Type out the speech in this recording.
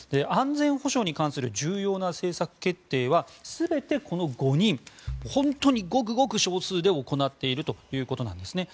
安全保障に関する重要な政策決定は全てこの５人本当にごくごく少数で行っているということです。